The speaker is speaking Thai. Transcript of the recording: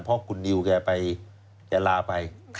เพราะคุณนิวเนี่ยไปยังลาไป